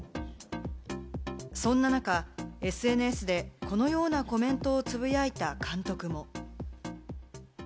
そんな中、ＳＮＳでこのようなコメントをつぶやいた監督も。